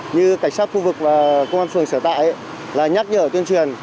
như cảnh sát khu vực và công an phường sở tại là nhắc nhở tuyên truyền